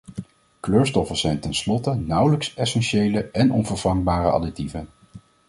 Kleurstoffen zijn tenslotte nauwelijks essentiële en onvervangbare additieven.